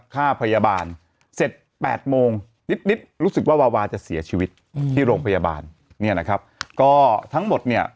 ค่าพยาบาลเสร็จแปดโมงนิดนิดรู้สึกว่าวาวาจะเสียชีวิตที่โรงพยาบาลเนี่ยนะครับก็ทั้งหมดเนี่ย